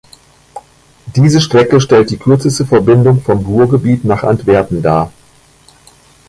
Diese Strecke stellt die kürzeste Verbindung vom Ruhrgebiet nach Antwerpen dar.